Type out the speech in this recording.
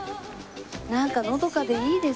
なんかのどかでいいですね